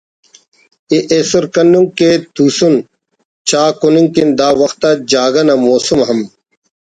ءِ ایسر کننگ کن توسن چا کننگ کن دا وخت آ جاگہ نا موسم ہم